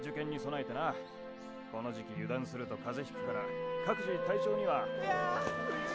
この時期油断するとカゼひくから各自体調には。